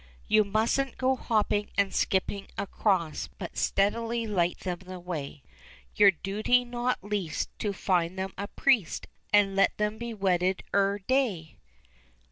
"You mustn't go hopping and skipping across, But steadily light them the way ; 34 THE FAIRIES FROM MOGG. 35 Your duty not least, to find them a priest, And let them be wedded ere day."